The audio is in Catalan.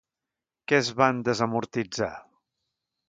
Què es van desamortitzar?